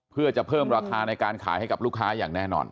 เพื่อจะเพิ่มราคาในการขายให้กับลูกค้าอย่างแน่นอน